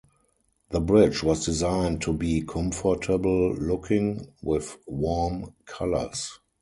The bridge was designed to be comfortable-looking, with warm colors.